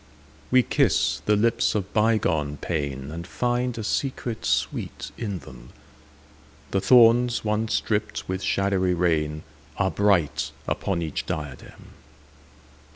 We kiss the lips of bygone painAnd find a secret sweet in them:The thorns once dripped with shadowy rainAre bright upon each diadem.